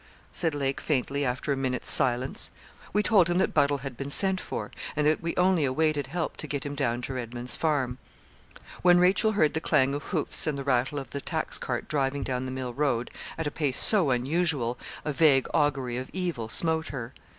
said Lake, faintly, after a minute's silence. We told him that Buddle had been sent for; and that we only awaited help to get him down to Redman's Farm. When Rachel heard the clang of hoofs and the rattle of the tax cart driving down the mill road, at a pace so unusual, a vague augury of evil smote her.